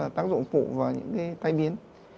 tác dụng phụ vào những cái tay biến